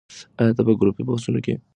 ایا ته په ګروپي بحثونو کې برخه اخلې؟